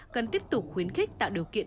cần tiếp tục khuyến khích tạo điều kiện